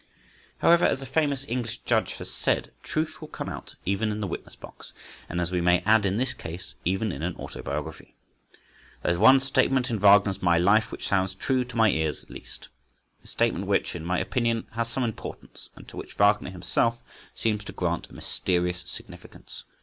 However, as a famous English judge has said—"Truth will come out, even in the witness box," and, as we may add in this case, even in an autobiography. There is one statement in Wagner's My Life which sounds true to my ears at least—a statement which, in my opinion, has some importance, and to which Wagner himself seems to grant a mysterious significance.